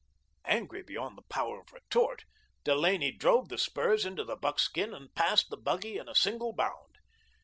Angry beyond the power of retort, Delaney drove the spurs into the buckskin and passed the buggy in a single bound.